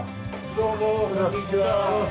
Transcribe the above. どうもこんにちは。